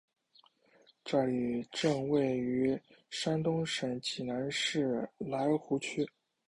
寨里镇位于山东省济南市莱芜区。